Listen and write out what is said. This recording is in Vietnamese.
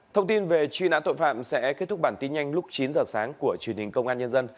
thông tin về truy nãn tội phạm sẽ kết thúc bản tin nhanh lúc chín giờ sáng của truyền hình công an nhân dân